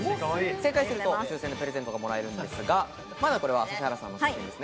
正解すると抽選でプレゼントがもらえるんですが、これは指原さんの写真です。